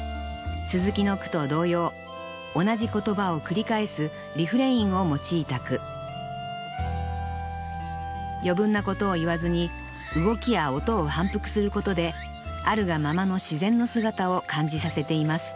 鱸の句と同様同じ言葉を繰り返すリフレインを用いた句余分なことを言わずに動きや音を反復することであるがままの自然の姿を感じさせています